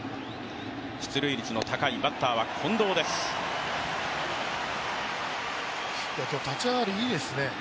出塁率の高い、バッターは近藤です今日、立ち上がりいいですね。